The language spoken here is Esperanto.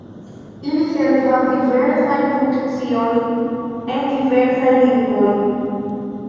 Ili servas diversajn funkciojn en diversaj lingvoj.